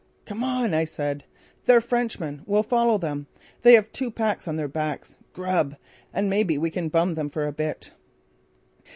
"Come on," I said. "They're Frenchmen. We'll follow them. They have two packs on their backs! Grub! And maybe we can bum them for a bit."